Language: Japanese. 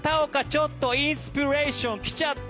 ちょっとインスピレーション来ちゃった。